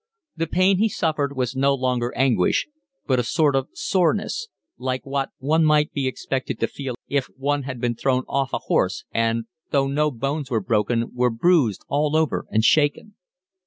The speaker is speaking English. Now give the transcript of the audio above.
The pain he suffered was no longer anguish, but a sort of soreness, like what one might be expected to feel if one had been thrown off a horse and, though no bones were broken, were bruised all over and shaken.